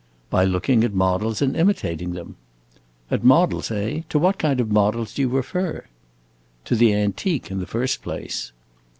"By looking at models and imitating them." "At models, eh? To what kind of models do you refer?" "To the antique, in the first place."